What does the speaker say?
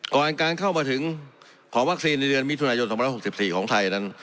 ก่อนการเข้ามาถึงขอวัคซีนในเดือนมิถุนายน๒๖๔ของไทยนั้น